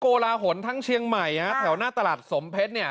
โกลาหลทั้งเชียงใหม่ฮะแถวหน้าตลาดสมเพชรเนี่ย